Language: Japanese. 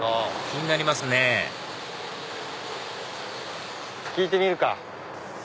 気になりますね聞いてみるか。